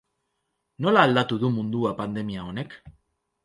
Nola aldatu du mundua pandemia honek?